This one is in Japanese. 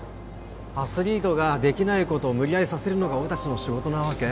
アスリートができないことを無理やりさせるのが俺達の仕事なわけ？